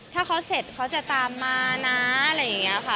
ถ้าเขาเสร็จเขาจะตามมานะอะไรอย่างนี้ค่ะ